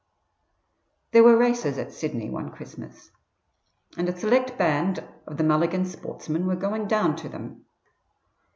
There were races at Sydney one Christmas, and a select band of the Mulligan sportsmen were going down to them.